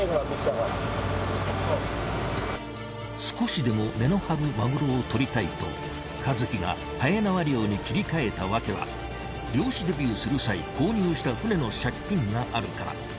少しでも値の張るマグロを獲りたいと和喜がはえ縄漁に切り替えた訳は漁師デビューする際購入した船の借金があるから。